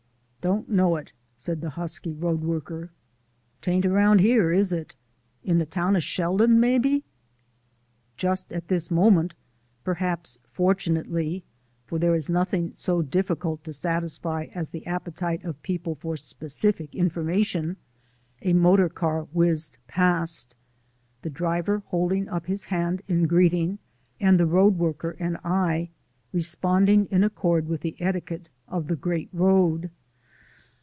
"Don't know it," said the husky road worker; "'tain't round here, is it? In the town of Sheldon, maybe?" Just at this moment, perhaps fortunately, for there is nothing so difficult to satisfy as the appetite of people for specific information, a motor car whizzed past, the driver holding up his hand in greeting, and the road worker and I responding in accordance with the etiquette of the Great Road.